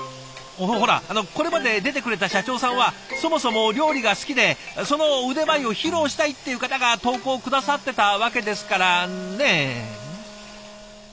ほらこれまで出てくれた社長さんはそもそも料理が好きでその腕前を披露したいっていう方が投稿を下さってたわけですからね。